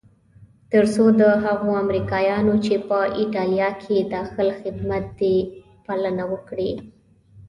تر څو د هغو امریکایانو چې په ایټالیا کې داخل خدمت دي پالنه وکړي.